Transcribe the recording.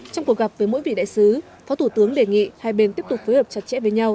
trong cuộc gặp với mỗi vị đại sứ phó thủ tướng đề nghị hai bên tiếp tục phối hợp chặt chẽ với nhau